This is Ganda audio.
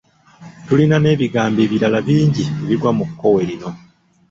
Tulina n'ebigambo ebirala bingi ebigwa mu kkowe lino.